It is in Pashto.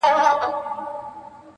دا عادت یې ټول حرم ته معما وه!.